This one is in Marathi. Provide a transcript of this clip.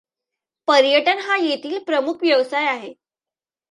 पर्यटन हा येथील प्रमुख व्यवसाय आहे.